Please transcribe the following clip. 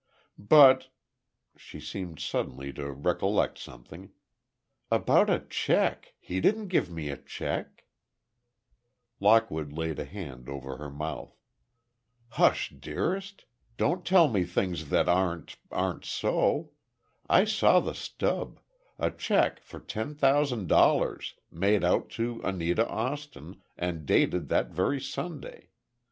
"But—" she seemed suddenly to recollect something, "about a check—he didn't give me a check—" Lockwood laid a hand over her mouth. "Hush, dearest. Don't tell me things that aren't—aren't so. I saw the stub—a check for ten thousand dollars—made out to Anita Austin, and dated that very Sunday.